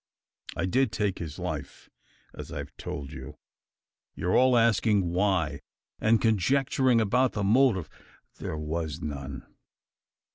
I did take his life, as I've told you. You are all asking why, and conjecturing about the motive. There was none."